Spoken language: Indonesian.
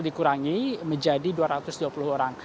dikurangi menjadi dua ratus dua puluh orang